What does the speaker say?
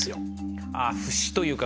ああ節というか。